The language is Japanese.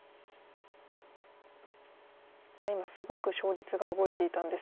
今すごく勝率が動いていたんですが。